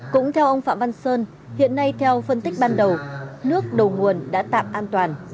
cũng theo ông phạm văn sơn hiện nay theo phân tích ban đầu nước đầu nguồn đã tạm an toàn